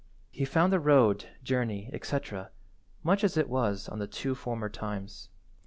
He found the road, journey, etc., much as it was on the two former times.